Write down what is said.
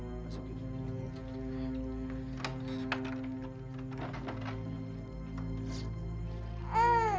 mas masuk yuk